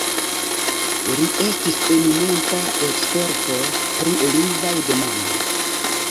Li estis eminenta eksperto pri lingvaj demandoj.